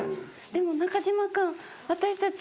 でも中島君私たち。